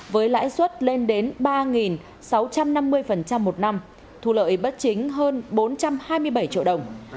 với lãi suất lên đến ba sáu trăm năm mươi một năm thu lợi bất chính hơn bốn trăm hai mươi bảy triệu đồng